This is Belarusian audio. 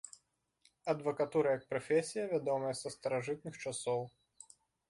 Адвакатура як прафесія вядомая са старажытных часоў.